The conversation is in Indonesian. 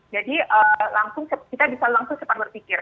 jadi langsung kita bisa langsung cepat berpikir